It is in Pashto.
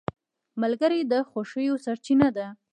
ملګری د خوښیو سرچینه ده